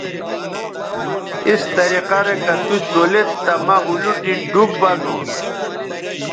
اس طریقہ رے کہ تُوڅولید تہ مہ اولوٹی ڈوب بزونݜ